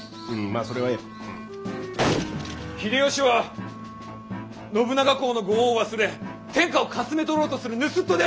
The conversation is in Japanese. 秀吉は信長公のご恩を忘れ天下をかすめ取ろうとする盗人である！